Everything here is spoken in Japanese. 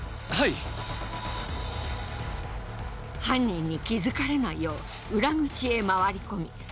犯人に気づかれないよう裏口へ回り込み